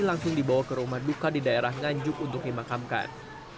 langsung dibawa ke rumah duka di daerah nganjuk untuk dimakamkan